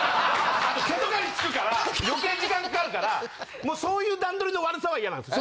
毛とかに付くから余計時間かかるからそういう段取りの悪さは嫌なんです。